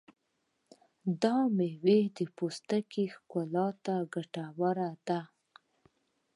دا مېوه د پوستکي ښکلا ته ګټوره ده.